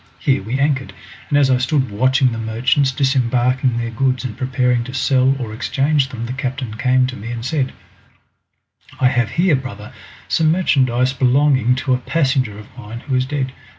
Here we anchored, and as I stood watching the merchants disembarking their goods and preparing to sell or exchange them, the captain came up to me and said, "I have here, brother, some merchandise belonging to a passenger of mine who is dead.